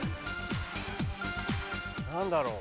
何だろう？